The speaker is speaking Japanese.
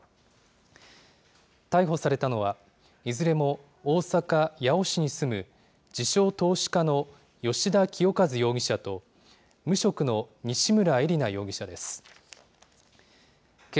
逮捕されたのは、いずれも大阪・八尾市に住む、自称投資家の吉田清一容疑者と、無職の西村恵梨奈容疑者です。